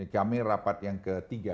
kami rapat yang ketiga